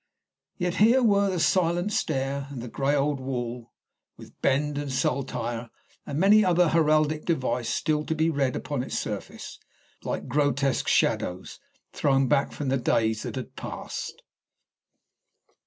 Yet here were the silent stair and the grey old wall, with bend and saltire and many another heraldic device still to be read upon its surface, like grotesque shadows thrown back from the days that had passed.